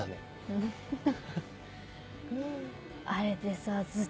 フフフ。